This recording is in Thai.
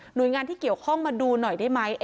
โดยงานที่เกี่ยวข้องมาดูหน่อยได้ไหม